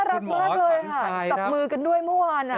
รักมากเลยค่ะจับมือกันด้วยเมื่อวาน